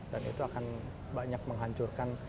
dan itu akan banyak menghancurkan